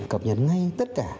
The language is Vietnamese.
cập nhấn ngay tất cả